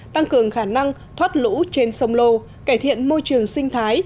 tăng cường khả năng thoát lũ trên sông lô cải thiện môi trường sinh thái